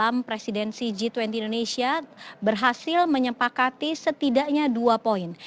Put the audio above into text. tim presidensi g dua puluh indonesia berhasil menyepakati setidaknya dua poin